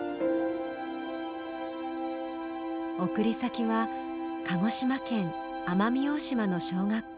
送り先は鹿児島県奄美大島の小学校。